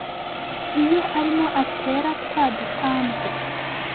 Iyo arimo atera twa dutambwe